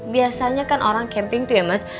biasanya kan orang camping tuh ya mas